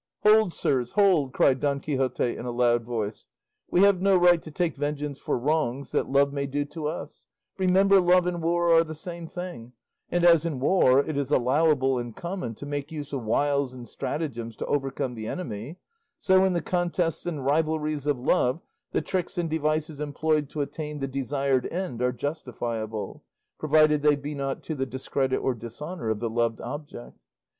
"Hold, sirs, hold!" cried Don Quixote in a loud voice; "we have no right to take vengeance for wrongs that love may do to us: remember love and war are the same thing, and as in war it is allowable and common to make use of wiles and stratagems to overcome the enemy, so in the contests and rivalries of love the tricks and devices employed to attain the desired end are justifiable, provided they be not to the discredit or dishonour of the loved object.